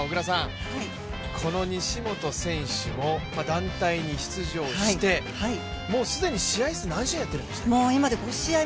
この西本選手も団体に出場してすでに、試合数何試合やってるんでしたっけ。